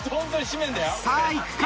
さあいくか？